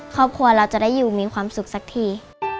ครอบครัวเราจะได้อยู่มีความสุขสักที